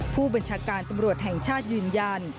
ผู้บัญชาการตำรวจแห่งชาติยืนยัน